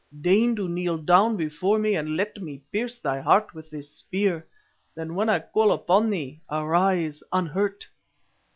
Deign to kneel down before me and let me pierce thy heart with this spear, then when I call upon thee, arise unhurt."